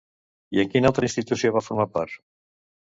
I en quina altra institució va formar part?